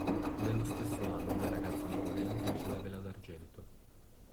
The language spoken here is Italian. Nello stesso anno Le ragazze di Gauguin vince la Vela d'argento.